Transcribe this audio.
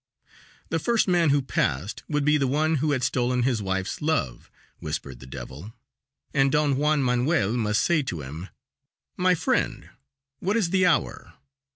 The first man who passed would be the one who had stolen his wife's love, whispered the devil, and Don Juan Manuel must say to him: "My friend, what is the hour?"